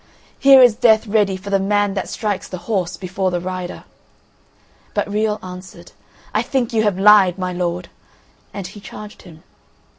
Here is death ready for the man that strikes the horse before the rider." But Riol answered: "I think you have lied, my lord!" And he charged him.